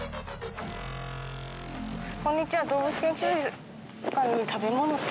こんにちは。